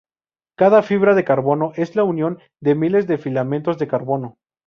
Cada fibra de carbono es la unión de miles de filamentos de carbono.